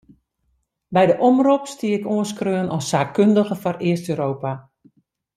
By de omrop stie ik oanskreaun as saakkundige foar East-Europa.